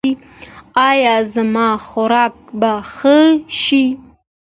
ایا زما خوراک به ښه شي؟